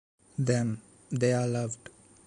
Them, they are loved.